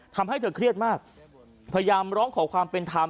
ทำให้เธอเครียดมากพยายามร้องขอความเป็นธรรม